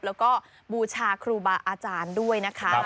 แล้วก็บูชาครูบาอาจารย์ด้วยนะคะ